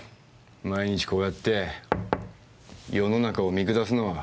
毎日こうやって世の中を見下すのは。